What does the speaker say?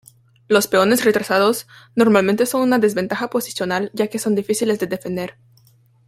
Los peones retrasados normalmente son una desventaja posicional, ya que son difíciles de defender.